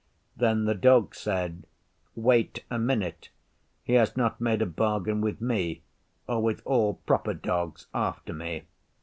Then the Dog said, 'Wait a minute. He has not made a bargain with me or with all proper Dogs after me.